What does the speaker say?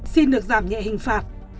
xin được giảm nhẹ hình phạt